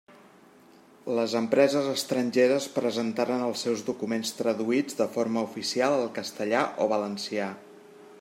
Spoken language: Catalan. Les empreses estrangeres presentaren els seus documents traduïts de forma oficial al castellà o valencià.